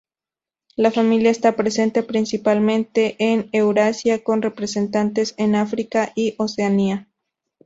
La familia está presente principalmente en Eurasia, con representantes en África y Oceanía.